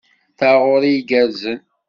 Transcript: Taɣuri igerrzen.